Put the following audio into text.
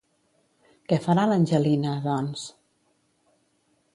Què farà l'Angelina, doncs?